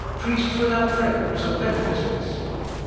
priests without prebends and benefices!"